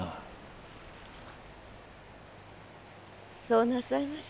そうなさいまし。